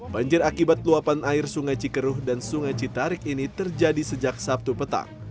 banjir akibat luapan air sungai cikeruh dan sungai citarik ini terjadi sejak sabtu petang